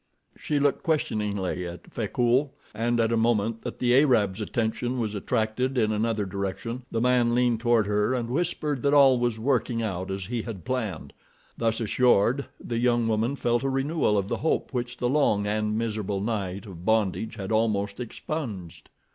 She looked questioningly at Frecoult, and at a moment that the Arab's attention was attracted in another direction the man leaned toward her and whispered that all was working out as he had planned. Thus assured, the young woman felt a renewal of the hope which the long and miserable night of bondage had almost expunged.